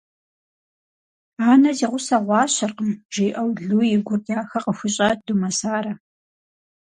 - Анэ зи гъусэ гъуащэркъым, - жиӀэу Лу и гур дахэ къыхуищӀат Думэсарэ.